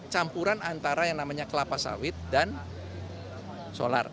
campuran antara yang namanya kelapa sawit dan solar